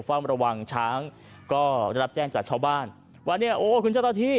เฝ้าระวังช้างก็ได้รับแจ้งจากชาวบ้านว่าเนี่ยโอ้คุณเจ้าหน้าที่